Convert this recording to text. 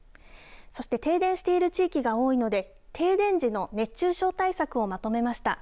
そして停電している地域が多いので、停電時の熱中症対策をまとめました。